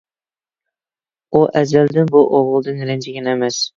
ئۇ ئەزەلدىن بۇ ئوغلىدىن رەنجىگەن ئەمەس.